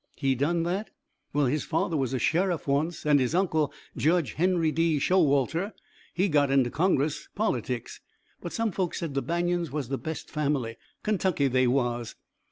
"He done that? Well, his father was a sheriff once, and his uncle, Judge Henry D. Showalter, he got into Congress. Politics! But some folks said the Banions was the best family. Kentucky, they was.